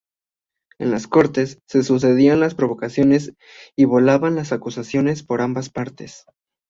En las Cortes, se sucedían las provocaciones y volaban las acusaciones por ambas partes.